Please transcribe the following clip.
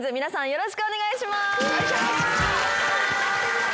よろしくお願いします。